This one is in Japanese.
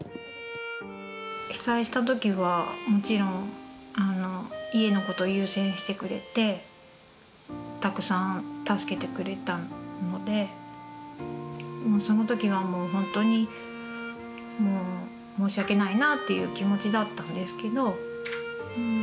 被災したときはもちろん、家のこと優先してくれて、たくさん助けてくれたので、そのときはもう本当に、もう申し訳ないなという気持ちだったんですけど。